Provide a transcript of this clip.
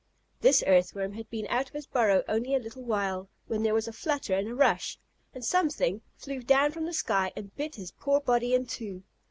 This Earthworm had been out of his burrow only a little while, when there was a flutter and a rush, and Something flew down from the sky and bit his poor body in two.